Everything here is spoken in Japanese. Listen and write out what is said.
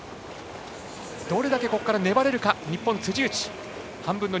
どれだけここから粘れるか日本、辻内。